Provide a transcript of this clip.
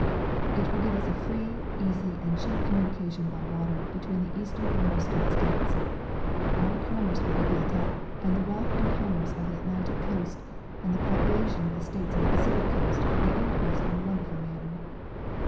It will give us a free, easy and cheap communication by water between the eastern and western states ; our commerce will be built up, and the wealth and commerce of the Atlantic coast and the population of the states on the Pacific coast will be increased in a wonderful manner.